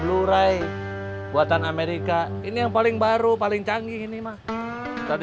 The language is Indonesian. lurai buatan amerika ini yang paling baru paling canggih ini mak